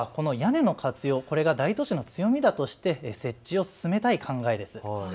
都は屋根の活用を大都市の強みだとして設置を進めたい考えです。